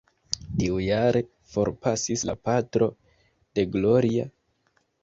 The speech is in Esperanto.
Tiujare, forpasis la patro de Gloria.